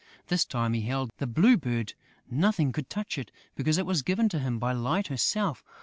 This time, he held the Blue Bird! Nothing could touch it, because it was given to him by Light herself.